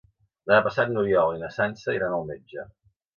Demà passat n'Oriol i na Sança iran al metge.